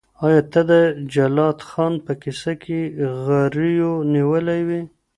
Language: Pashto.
آیا ته د جلات خان په کیسه کي غريو نيولی وې؟